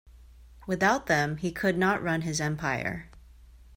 Without them he could not run his empire.